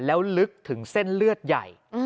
แล้วลึกถึงเส้นเลือดใหญ่